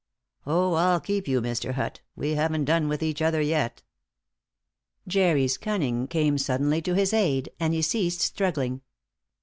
Oh, I'll keep you, Mr. Hutt; we haven't done with each other yet." Jerry's cunning came suddenly to his aid, and he ceased struggling.